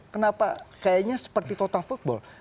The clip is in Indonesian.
kenapa kayaknya seperti total football